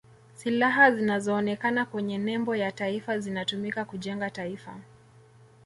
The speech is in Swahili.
silaha zinazoonekana kwenye nembo ya taifa zinatumika kujenga taifa